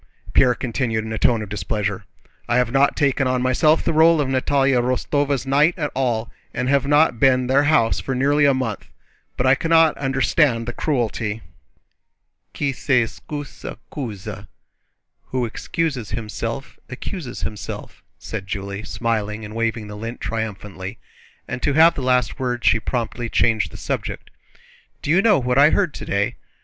Pierre continued in a tone of displeasure, "I have not taken on myself the role of Natalie Rostóva's knight at all, and have not been to their house for nearly a month. But I cannot understand the cruelty..." "Qui s'excuse s'accuse," * said Julie, smiling and waving the lint triumphantly, and to have the last word she promptly changed the subject. "Do you know what I heard today?